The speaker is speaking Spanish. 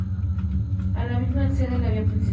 A la misma accede la vía principal.